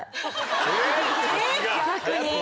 逆に。